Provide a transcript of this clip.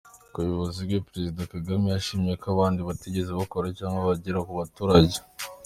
Ku buyobozi bwe, Perezida Kagame yashimye aho abandi batigeze bakora cyangwa bagera ku baturage.